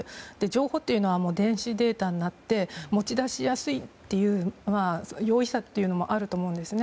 情報っていうのは電子データになって持ち出しやすいという容易さもあると思うんです。